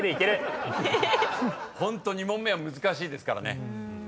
ホント２問目は難しいですからね。